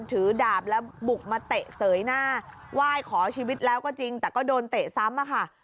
ถือดาบแล้วบุกมาเตะเสยหน้าไหว้ขอชีวิตแล้วก็จริงแต่ก็โดนเตะซ้ำอะค่ะ